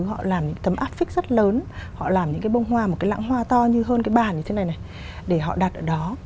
họ làm những tấm áp phích rất lớn họ làm những cái bông hoa một cái lãng hoa to như hơn cái bàn như thế này này để họ đặt ở đó